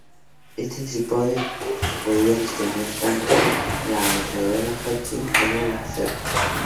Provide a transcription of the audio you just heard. Este trípode que podía sostener tanto la ametralladora Hotchkiss como la St.